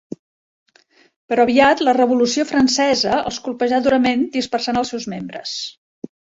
Però aviat la Revolució Francesa els colpejà durament, dispersant els seus membres.